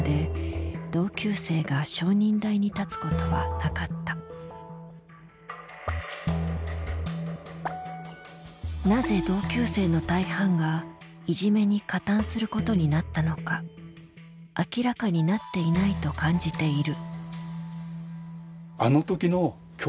しかし８年に及ぶ裁判でなぜ同級生の大半がいじめに加担することになったのか明らかになっていないと感じている。